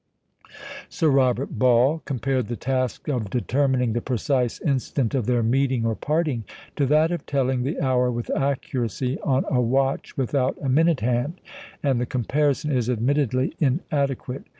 Sir Robert Ball compared the task of determining the precise instant of their meeting or parting, to that of telling the hour with accuracy on a watch without a minute hand; and the comparison is admittedly inadequate.